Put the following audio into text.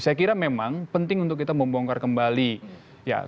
saya kira memang penting untuk kita membongkar kembali ya